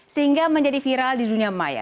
sehingga menjadi viral di dunia maya